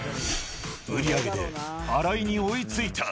売り上げで荒井に追いついた。